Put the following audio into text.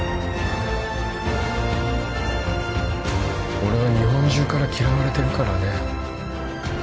俺は日本中から嫌われてるからね